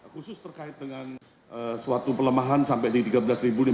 khusus terkait dengan suatu pelemahan sampai di rp tiga belas lima ratus